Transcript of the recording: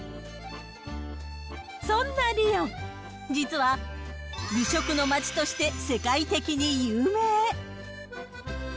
そんなリヨン、実は美食の街として世界的に有名。